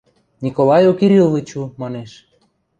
– Николаю Кириллычу, – манеш.